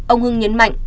ông hưng nhấn mạnh